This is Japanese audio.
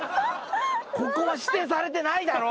ここは指定されてないだろ？